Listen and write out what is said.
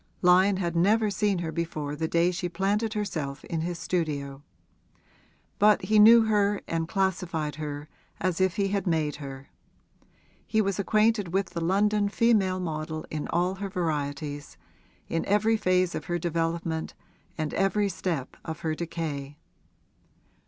Lyon had never seen her before the day she planted herself in his studio; but he knew her and classified her as if he had made her. He was acquainted with the London female model in all her varieties in every phase of her development and every step of her decay.